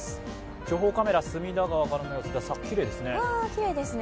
情報カメラ、隅田川からの様子、きれいですね。